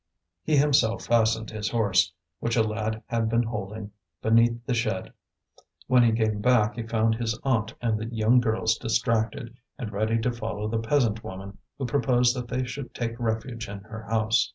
He himself fastened his horse, which a lad had been holding, beneath the shed. When he came back he found his aunt and the young girls distracted, and ready to follow the peasant woman, who proposed that they should take refuge in her house.